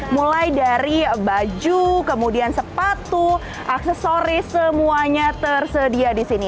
mulai dari baju kemudian sepatu aksesoris semuanya tersedia di sini